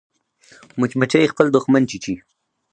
مچمچۍ خپل دښمن چیچي